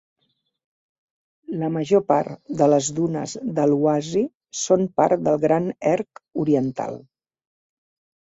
La major part de les dunes de l'oasi són part del Gran Erg Oriental.